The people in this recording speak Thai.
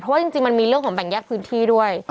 เพราะว่าจริงมันมีเรื่องของแบ่งแยกพื้นที่ด้วย